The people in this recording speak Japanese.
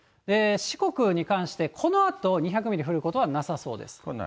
四国に関して、このあと２００ミリ降ることはなさそうです。